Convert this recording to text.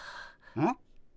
うん？